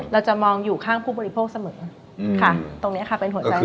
เราจะมองอยู่ข้างผู้บริโภคเสมอค่ะตรงนี้ค่ะเป็นหัวใจ